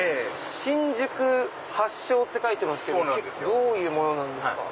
新宿発祥って書いてますけどどういうものなんですか？